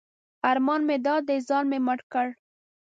ارمان مې دا دی ځان مې مړ کړ.